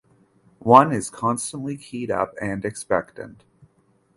One is constantly keyed up and expectant.